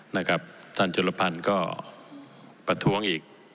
นะครับท่านจุลพันธ์ก็ประท้วงอีก